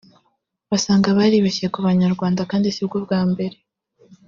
Basanga baribeshye ku banyarwanda kandi sibwo bwa mbere